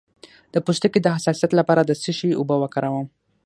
د پوستکي د حساسیت لپاره د څه شي اوبه وکاروم؟